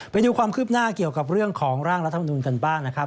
ไปดูความคืบหน้าเกี่ยวกับเรื่องของร่างรัฐมนุนกันบ้างนะครับ